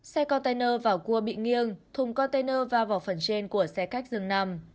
xe container vào cua bị nghiêng thùng container vào vào phần trên của xe khách dừng nằm